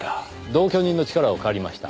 同居人の力を借りました。